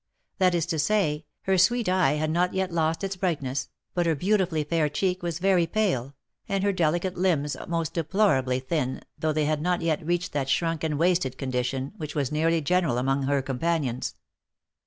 That is to say, her sweet eye had not yet lost its brightness, but her beautifully fair cheek was very pale, and her delicate limbs most deplorably thin, though they had 188 THE LIFE AND ADVENTURES not yet reached that shrunk arid wasted condition which was nearly general among her companions.